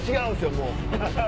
もう。